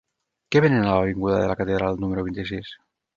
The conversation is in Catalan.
Què venen a l'avinguda de la Catedral número vint-i-sis?